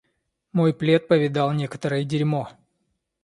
Мой плед повидал некоторое дерьмо.